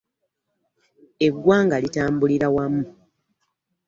Eggwanga litambulira wamu.